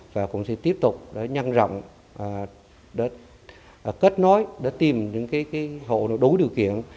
và cũng sẽ tiếp tục nhân rộng kết nối tìm những hộ đủ điều kiện